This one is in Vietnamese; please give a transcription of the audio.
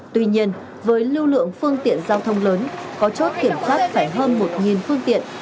tuy nhiên với lưu lượng phương tiện giao thông lớn có chốt kiểm soát phải hơn một phương tiện